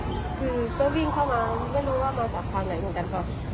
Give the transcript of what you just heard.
คือก็วิ่งเข้ามาไม่รู้ว่ามาจากความไหนของกัน